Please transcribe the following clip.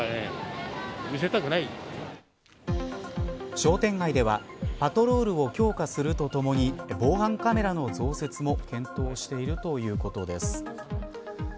商店街ではパトロールを強化するとともに防犯カメラの増設も検討しているということです。